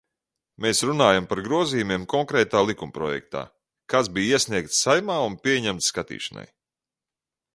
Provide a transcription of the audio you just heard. Mēs runājam par grozījumiem konkrētā likumprojektā, kas bija iesniegts Saeimā un pieņemts skatīšanai.